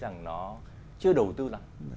nó chưa đầu tư lắm